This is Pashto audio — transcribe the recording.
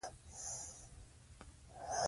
واوره په څپه او خج کې توپیر نه لري.